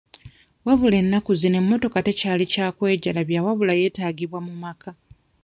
Wabula ennaku zino emmotoka tekyali kya kwejalabya wabula yeetaagibwa mu maka.